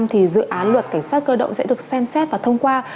thì dự án luật cảnh sát cơ động sẽ được xem xét và thông qua